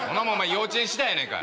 幼稚園次第やないか。